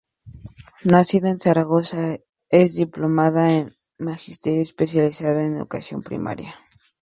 Nacida en Zaragoza, es diplomada en Magisterio, especialidad en Educación Primaria.